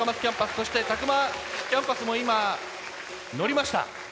そして詫間キャンパスも今乗りました。